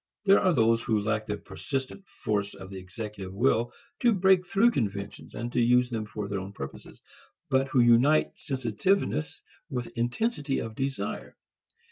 There are those who lack the persistent force of the executive will to break through conventions and to use them for their own purposes, but who unite sensitiveness with intensity of desire.